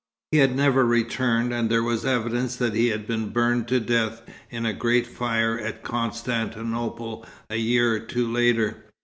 He had never returned, and there was evidence that he had been burned to death in a great fire at Constantinople a year or two later.